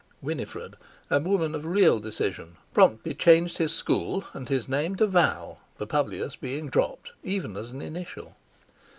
Winifred—a woman of real decision—promptly changed his school and his name to Val, the Publius being dropped even as an initial.